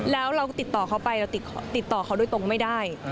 แล้วเราติดต่อเขาไปเราติดต่อเขาโดยตรงไม่ได้